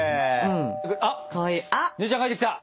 あっ姉ちゃん帰ってきた。